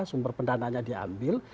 sumber pendanaannya diambil